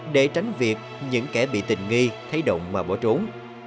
để tránh việc những kẻ bị tình nghi thấy động mà bỏ trốn